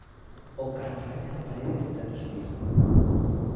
O can raña na parede tentando subir.